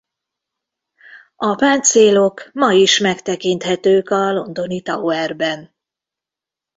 A páncélok ma is megtekinthetők a londoni Towerban.